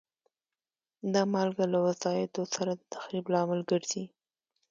دا مالګه له وسایطو سره د تخریب لامل ګرځي.